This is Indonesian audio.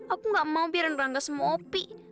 aku gak mau biarin karangga sama opi